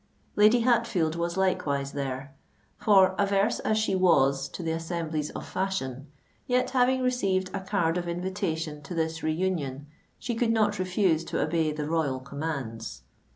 Lady Hatfield was likewise there; for, averse as she was to the assemblies of fashion, yet having received a card of invitation to this re union, she could not refuse to obey the "royal commands."